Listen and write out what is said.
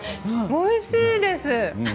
おいしいです！